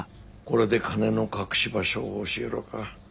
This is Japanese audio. これで金の隠し場所を教えろか。